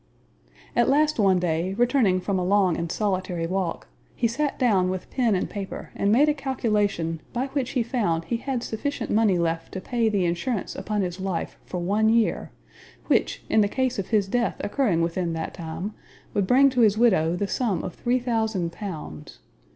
At last one day, returning from a long and solitary walk, he sat down with pen and paper and made a calculation by which he found he had sufficient money left to pay the insurance upon his life for one year, which, in the case of his death occurring within that time, would bring to his widow the sum of three thousand pounds.